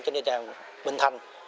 trên địa điểm bình thành